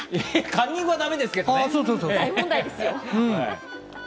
カンニングはだめですけどね。